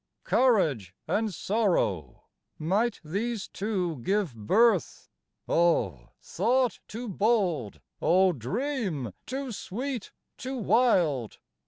Courage and sorrow: might these two give birth? O thought too bold, O dream too sweet, too wild?